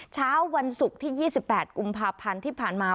เช้าวันศุกร์ที่๒๘กุมภาพันธ์ที่ผ่านมา